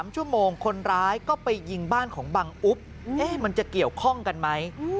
๓ชั่วโมงคนร้ายก็ไปยิงบ้านของบังอุ๊บมันจะเกี่ยวข้องกันไหม